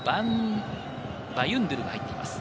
バユンドゥルが入っています。